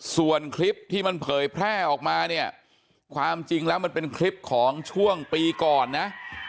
ส่วนคลิปที่มันเผยแพร่ออกมาเนี่ยความจริงแล้วมันเป็นคลิปของช่วงปีก่อนนะ